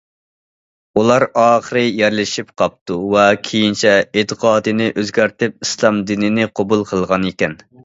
ئۇلار ئاخىرى يەرلىشىپ قاپتۇ ۋە كېيىنچە ئېتىقادىنى ئۆزگەرتىپ ئىسلام دىنىنى قوبۇل قىلغانىكەن.